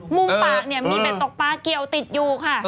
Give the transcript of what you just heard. มุมปากเนี่ยมีเบ็ดตกปลาเกี่ยวติดอยู่ค่ะ